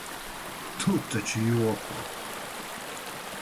Tu taču joko?